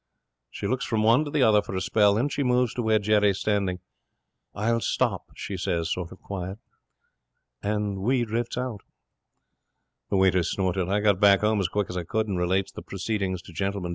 'She looks from one to the other for a spell, and then she moves to where Jerry's standing. '"I'll stop," she says, sort of quiet. 'And we drifts out.' The waiter snorted. 'I got back home quick as I could,' he said, 'and relates the proceedings to Gentleman.